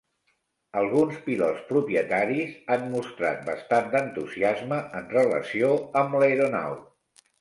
Alguns pilots propietaris han mostrat bastant d'entusiasme en relació amb l'aeronau.